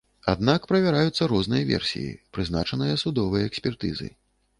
Аднак правяраюцца розныя версіі, прызначаныя судовыя экспертызы.